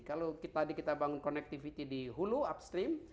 kalau tadi kita bangun connectivity di hulu upstream